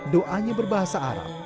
doanya berbahasa arab